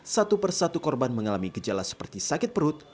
satu persatu korban mengalami gejala seperti sakit perut